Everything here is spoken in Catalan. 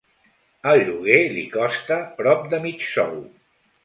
El lloguer li costa prop de mig sou.